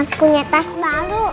aku punya tas baru